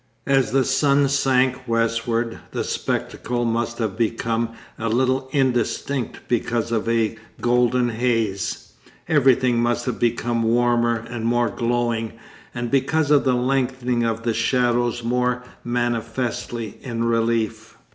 As the sun sank westward the spectacle must have become a little indistinct because of a golden haze; everything must have become warmer and more glowing, and because of the lengthening of the shadows more manifestly in relief.